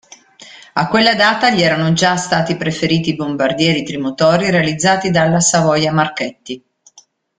A quella data gli erano già stati preferiti i bombardieri trimotori realizzati dalla Savoia-Marchetti.